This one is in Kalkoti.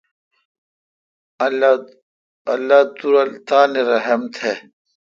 اللہ تو رل تان رحم تھ۔